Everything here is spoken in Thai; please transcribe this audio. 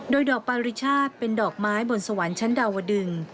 โดยดอกปาริชาติเป็นดอกไม้บนสวรรค์ชั้นดาวดึง